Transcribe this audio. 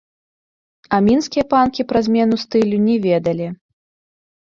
А мінскія панкі пра змену стылю не ведалі.